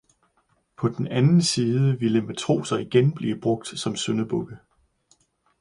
På den anden side vil matroser igen blive brugt som syndebukke.